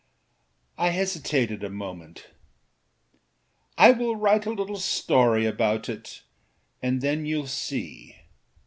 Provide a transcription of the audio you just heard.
I hesitated a moment. âI myself will write a little story about it, and then youâll see.